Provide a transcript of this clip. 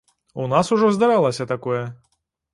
У нас ужо здаралася такое.